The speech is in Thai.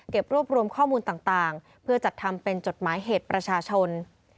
รวบรวมข้อมูลต่างเพื่อจัดทำเป็นจดหมายเหตุประชาชน